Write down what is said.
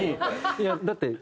いやだって。